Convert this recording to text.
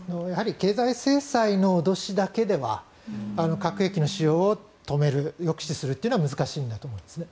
経済制裁の脅しだけでは核兵器の使用を止める抑止するというのは難しいんだと思いますね。